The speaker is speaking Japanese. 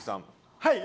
はい。